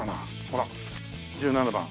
ほら１７番。